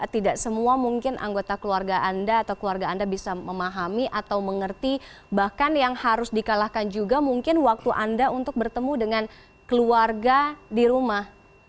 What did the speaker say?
tidak semua mungkin anggota keluarga anda atau keluarga anda bisa memahami atau mengerti bahkan yang harus dikalahkan juga mungkin waktu anda untuk bertemu dengan keluarga di rumah